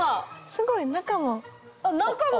すごい中も。